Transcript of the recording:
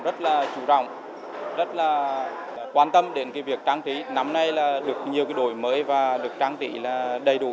rất là chủ động rất là quan tâm đến cái việc trang trí năm nay là được nhiều đổi mới và được trang trí là đầy đủ